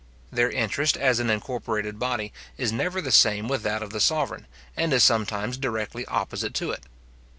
Their interest as an incorporated body is never the same with that of the sovereign, and is sometimes directly opposite to it.